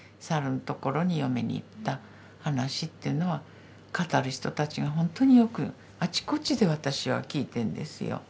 猿のところに嫁に行った話というのは語る人たちがほんとによくあちこちで私はきいてんですよ。